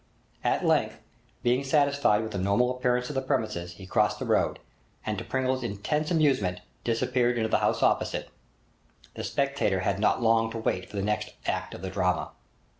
At length, being satisfied with the normal appearance of the premises, he crossed the road, and to Pringle's intense amusement, disappeared into the house opposite. The spectator had not long to wait for the next act of the drama.